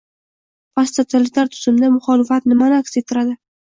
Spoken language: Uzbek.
Posttotalitar tuzumda “muxolifat” nimani aks ettiradi?